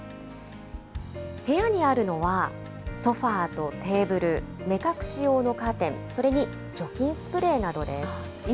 部屋にあるのは、ソファとテーブル、目隠し用のカーテン、それに除菌スプレーなどいいですね。